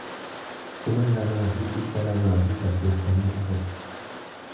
kuma lamaa fi dhibba lamaa fi saddeettamii afur